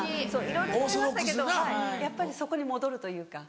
いろいろ食べましたけどやっぱりそこに戻るというか。